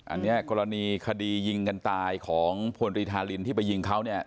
อันนี้กรณีคดียิงกันตายของพลตรีธารินที่ไปยิงเขาเนี่ย